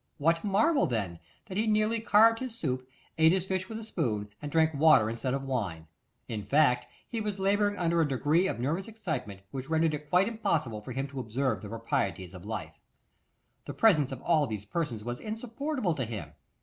What marvel, then, that he nearly carved his soup, ate his fish with a spoon; and drank water instead of wine! In fact, he was labouring under a degree of nervous excitement which rendered it quite impossible for him to observe the proprieties of life. The presence of all these persons was insupportable to him.